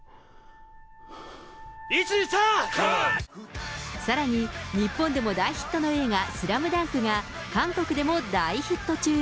１、２、さらに、日本でも大ヒットの映画、スラムダンクが、韓国でも大ヒット中。